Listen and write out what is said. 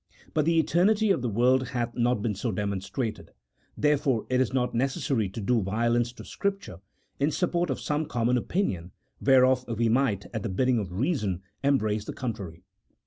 But the eternity of the world hath not been so demonstrated, therefore it is not necessary to do violence to Scripture in support of some common opinion, whereof we might, at the bidding of reason, embrace the contrary."